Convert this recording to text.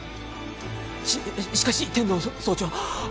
ししかし天堂総長。